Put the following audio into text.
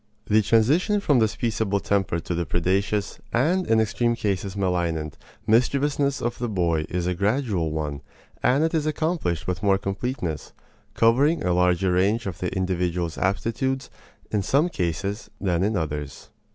The transition from this peaceable temper to the predaceous, and in extreme cases malignant, mischievousness of the boy is a gradual one, and it is accomplished with more completeness, covering a larger range of the individual's aptitudes, in some cases than in others.